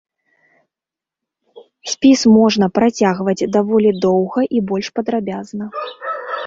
Спіс можна працягваць даволі доўга і больш падрабязна.